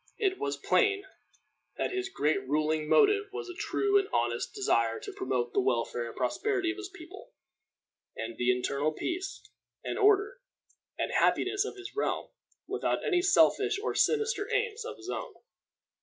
It was plain that his great ruling motive was a true and honest desire to promote the welfare and prosperity of his people, and the internal peace, and order, and happiness of his realm, without any selfish or sinister aims of his own.